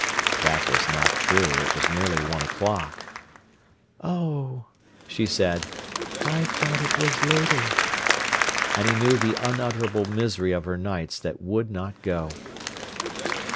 That was not true; it was nearly one o'clock. "Oh!" she said; "I thought it was later." And he knew the unutterable misery of her nights that would not go.